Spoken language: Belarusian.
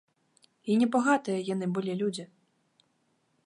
І небагатыя яны былі людзі.